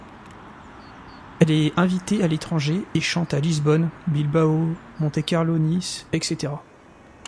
Elle est invitée à l'étranger et chante à Lisbonne, Bilbao, Monte-Carlo, Nice, etc.